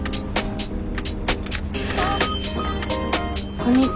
こんにちは。